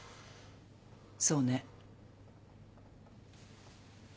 そうね。